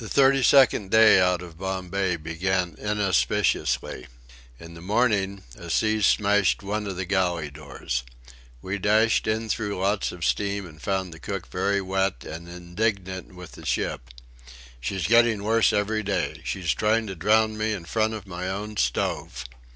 The thirty second day out of Bombay began inauspiciously. In the morning a sea smashed one of the galley doors. We dashed in through lots of steam and found the cook very wet and indignant with the ship: "She's getting worse every day. She's trying to drown me in front of my own stove!"